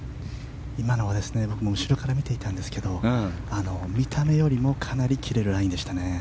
今のは僕も後ろから見ていたんですが見た目よりもかなり切れるラインでしたね。